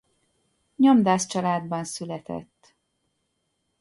Nyomdász családban született.